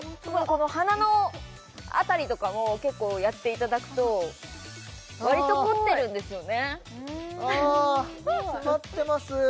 鼻の辺りとかも結構やっていただくとわりと凝ってるんですよねあ詰まってます